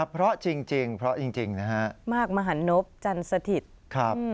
เพราะจริงนะฮะมากมหานพจันทร์สถิตย์